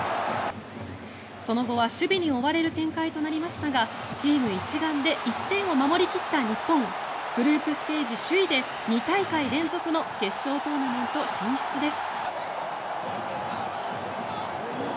その後は守備に追われる展開となりましたがチーム一丸で１点を守り切った日本。グループステージ首位で２大会連続の決勝トーナメント進出です。